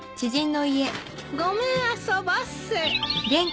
ごめんあそばせ。